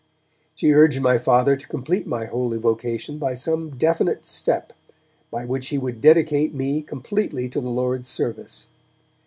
She urged my Father to complete my holy vocation by some definite step, by which he would dedicate me completely to the Lord's service.